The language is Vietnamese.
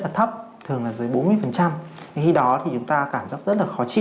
vâng thưa bác sĩ